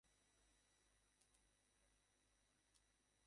তাহার টেবিলের উপর গোরার রচনাবলী পড়িয়া ছিল সে কথা তাহার মনেই ছিল না।